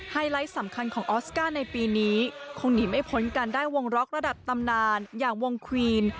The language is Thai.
ไลท์สำคัญของออสการ์ในปีนี้คงหนีไม่พ้นการได้วงล็อกระดับตำนานอย่างวงควีน